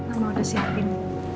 aku udah siapin